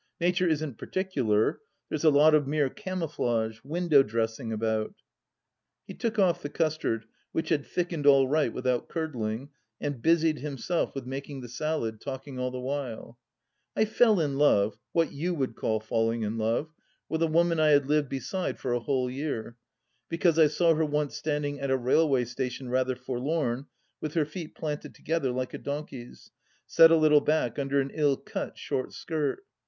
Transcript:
Nature isn't particular. There's a lot of mere camou flage — ^window dressing about. ..."■,„•.,. He took off the custard, which had thickened all nght without curdling, and busied himself with making the salad, talking all the while :„.., ^.u " I fell in love— what you would call fallmg m love— with a woman I had lived beside for a whole year, because I saw her once standmg at a raUway station rather forlorn, with her feet planted together, like a donkey's, set a little back uSder an m cut short skirt.